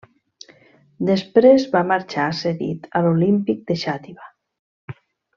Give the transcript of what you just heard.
Després va marxar cedit a l'Olímpic de Xàtiva.